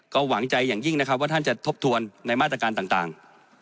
ก็หวังใจอย่างยิ่งนะครับว่าท่านจะทบทวนในมาตรการต่าง